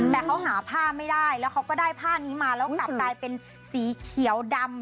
แต่เขาหาผ้าไม่ได้แล้วเขาก็ได้ผ้านี้มาแล้วกลับกลายเป็นสีเขียวดำ